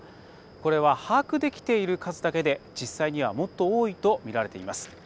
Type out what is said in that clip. これは、把握できている数だけで実際には、もっと多いとみられています。